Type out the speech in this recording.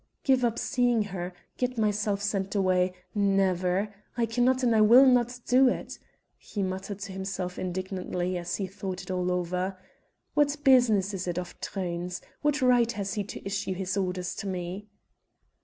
"Give up seeing her get myself sent away never! I cannot and I will not do it," he muttered to himself indignantly as he thought it all over. "What business is it of Truyn's? What right has he to issue his orders to me?"